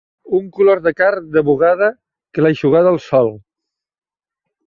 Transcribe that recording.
Un color de carn de bugada que l'ha eixugada el sol